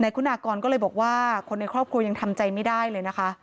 คุณากรก็เลยบอกว่าคนในครอบครัวยังทำใจไม่ได้เลยนะคะ